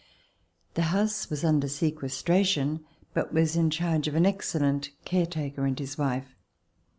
The house was under sequestration but was in charge of an excellent care taker and his wife.